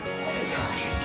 そうですね。